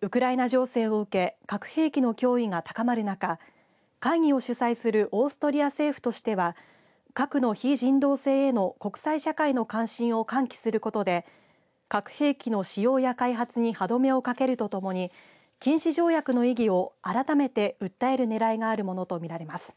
ウクライナ情勢を受け核兵器の脅威が高まる中、会議を主催するオーストリア政府としては核の非人道性への国際社会の関心を喚起することで核兵器の使用や開発に歯止めをかけるとともに禁止条約の意義を改めて訴えるねらいがあるものと見られます。